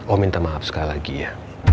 oh minta maaf sekali lagi ya